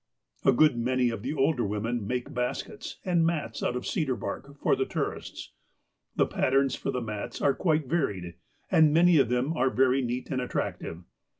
A good many of the older women make baskets and mats out of cedar bark, for the tourists. The patterns for the mats are quite varied, and many of them are very neat and attractive.